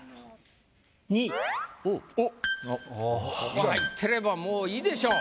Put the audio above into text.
ここ入ってればもういいでしょ。